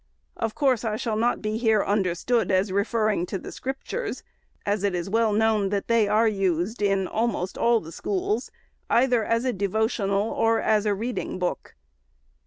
Of course, I shall not be here understood as referring to the Scrip tures, as it is well known that they are used in almost all the schools, either as a devotional or as a reading book.